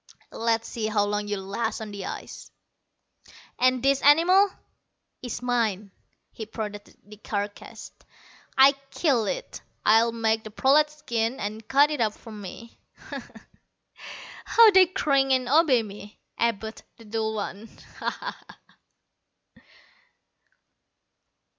Let's see how long you'll last on the ice!" "This animal is mine." He prodded the carcass. "I killed it. I'll make the prolats skin and, cut it up for me. Ho ho, how they cringe and obey me Abud, the dull one! Ho ho!"